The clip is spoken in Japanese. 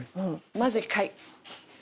まず１回。